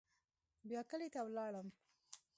بيا کلي ته ولاړم.